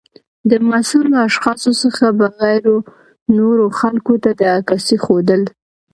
د مسؤلو اشخاصو څخه بغیر و نورو خلګو ته د عکاسۍ ښودل